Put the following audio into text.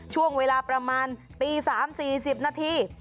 ช่วงเวลาประมาณตี๓๔๐นาที